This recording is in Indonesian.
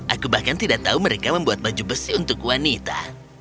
aku bahkan tidak tahu mereka membuat baju besi untuk wanita